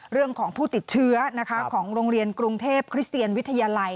เรื่องของผู้ติดเชื้อของโรงเรียนกรุงเทพคริสเตียนวิทยาลัย